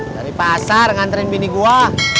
dari pasar nganterin bini gue